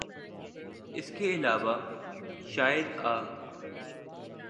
اس کے علاوہ شاید آ